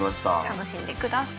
楽しんでください。